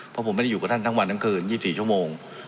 เพราะผมไม่ได้อยู่กับท่านทั้งวันทั้งคืน๒๔ชั่วโมง